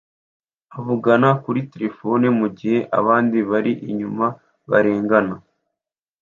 avugana kuri terefone mugihe abandi bari inyuma barengana